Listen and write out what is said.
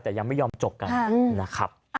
แต่ยังไม่ยอมจบกันนะครับ